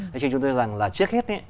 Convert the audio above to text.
thế cho chúng tôi rằng là trước hết